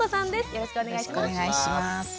よろしくお願いします。